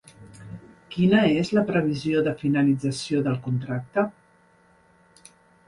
Quina és la previsió de finalització del contracte?